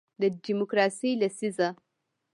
د دیموکراسۍ لسیزه